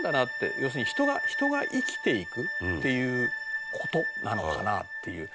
「要するに人が生きていくっていう事なのかなっていう」